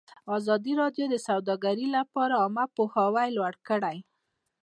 ازادي راډیو د سوداګري لپاره عامه پوهاوي لوړ کړی.